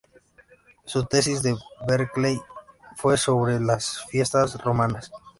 Su tesis de Berkeley fue sobre las fiestas romanas.